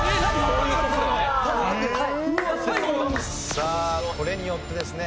さあこれによってですね